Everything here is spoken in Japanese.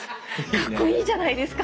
かっこいいじゃないですか！